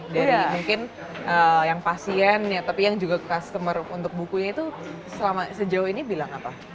dari mungkin yang pasien tapi yang juga customer untuk bukunya itu sejauh ini bilang apa